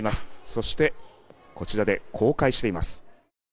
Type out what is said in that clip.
そしてこちらで公開しています。